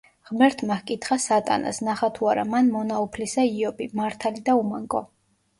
ღმერთმა ჰკითხა სატანას, ნახა თუ არა მან მონა უფლისა იობი, მართალი და უმანკო.